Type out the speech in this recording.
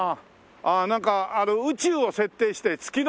ああなんか宇宙を設定して月の表面をって。